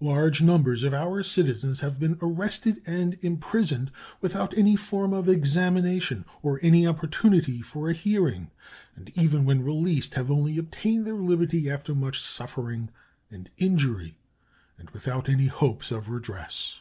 Large numbers of our citizens have been arrested and imprisoned without any form of examination or any opportunity for a hearing, and even when released have only obtained their liberty after much suffering and injury, and without any hope of redress.